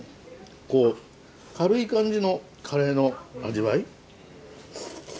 こう軽い感じのカレーの味わい。